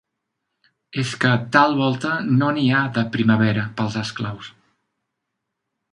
És que tal volta no n'hi ha de primavera, pels esclaus